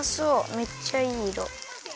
めっちゃいいいろ。